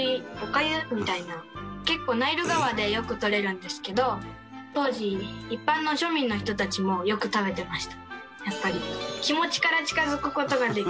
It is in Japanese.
結構、ナイル川でよくとれるんですけど当時、一般の庶民の人たちもよく食べてました。